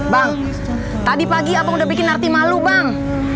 bang tadi pagi abang udah bikin arti malu bang